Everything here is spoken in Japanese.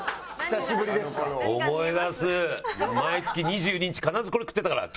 毎月２２日必ずこれ食ってたから。